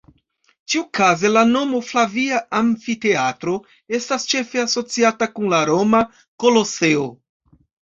Ĉiukaze la nomo "Flavia Amfiteatro" estas ĉefe asociata kun la Roma Koloseo.